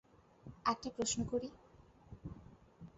একটা প্রশ্ন করি?